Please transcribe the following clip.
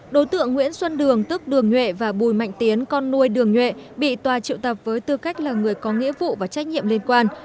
đối tượng nguyễn xuân đường tức đường nhuệ và bùi mạnh tiến con nuôi đường nhuệ bị tòa triệu tập với tư cách là người có nghĩa vụ và trách nhiệm liên quan